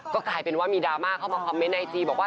ก็กลายเป็นว่ามีดราม่าเข้ามาคอมเมนต์ไอจีบอกว่า